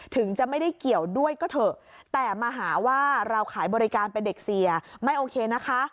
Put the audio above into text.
ถึงจะไม่ได้เกี่ยวด้วยก็เถอะแต่มาหาว่าเราขายบริการเป็นเด็กเสียไม่โอเคนะคะ